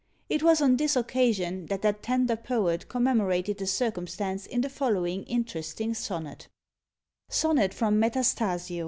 It was on this occasion that that tender poet commemorated the circumstance in the following interesting sonnet: SONNET FROM METASTASIO.